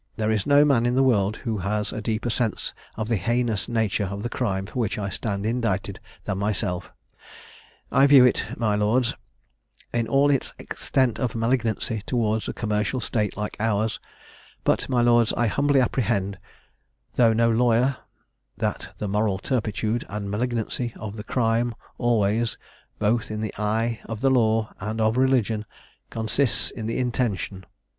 There is no man in the world who has a deeper sense of the heinous nature of the crime for which I stand indicted than myself: I view it, my lords, in all its extent of malignancy towards a commercial state like ours; but, my lords, I humbly apprehend, though no lawyer, that the moral turpitude and malignancy of the crime always, both in the eye of the law and of religion, consists in the intention.